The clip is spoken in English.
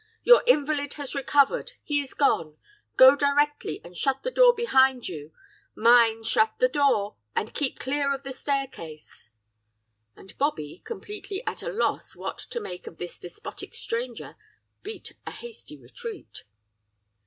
Your invalid has recovered, he is gone. Go directly, and shut the door behind you. Mind shut the door, and keep clear of the staircase,' and Bobby, completely at a loss what to make of this despotic stranger, beat a hasty retreat.